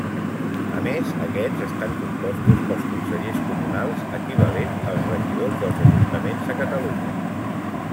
A més, aquests estan compostos pels consellers comunals, equivalent als regidors dels ajuntaments a Catalunya.